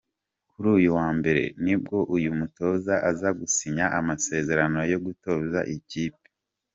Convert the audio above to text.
Kuri uyu wa Mbere, nibwo uyu mutoza aza gusinya amasezerano yo gutoza iyi kipe.